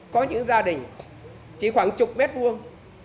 có những gia đình chỉ khoảng chục mét vuông